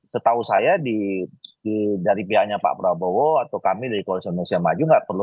setahu saya dari pihaknya pak prabowo atau kami dari koalisi indonesia maju nggak perlu